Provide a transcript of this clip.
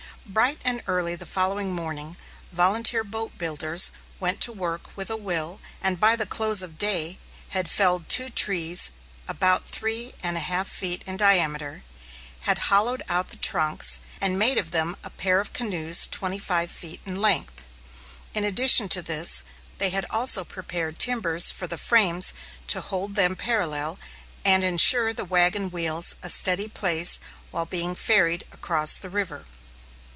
Bright and early the following morning, volunteer boat builders went to work with a will, and by the close of day had felled two trees about three and a half feet in diameter, had hollowed out the trunks, and made of them a pair of canoes twenty five feet in length. In addition to this, they had also prepared timbers for the frames to hold them parallel, and insure the wagon wheels a steady place while being ferried across the river.